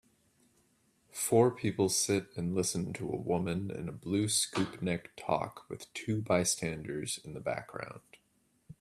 Four people sit and listen to a woman in a blue scoop neck talk with two bystanders in the background